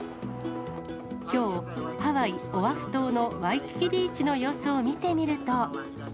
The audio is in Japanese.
きょう、ハワイ・オアフ島のワイキキビーチの様子を見てみると。